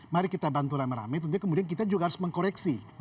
mari kita bantu rame rame tentunya kemudian kita juga harus mengkoreksi